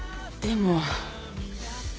でも。